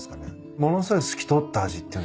ものすごい透き通った味っていうんですか？